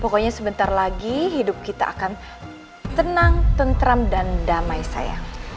pokoknya sebentar lagi hidup kita akan tenang tentram dan damai sayang